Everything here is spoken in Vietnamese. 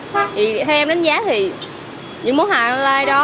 thì theo em đánh giá thì những món hàng online đó